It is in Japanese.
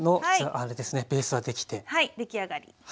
はい出来上がり。